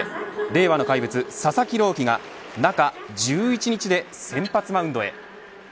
令和の怪物、佐々木朗希が中１１日で先発マウンドへ。